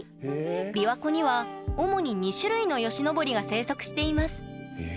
びわ湖には主に２種類のヨシノボリが生息していますえ